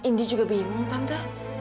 ndi juga bingung tante